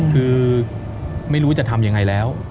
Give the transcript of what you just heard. คือไม่รู้จะทำยังไงแล้ว